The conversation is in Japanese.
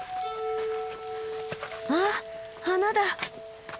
あっ花だ。